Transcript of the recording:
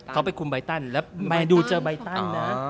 เขาไปคุมใบตันแล้วแมนยูเจอใบตันนะ